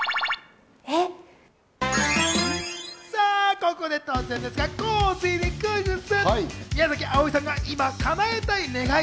ここで突然ですが、加藤さんにクイズッス。